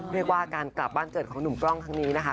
เรียกว่าการกลับบ้านเกิดของหนุ่มกล้องครั้งนี้นะคะ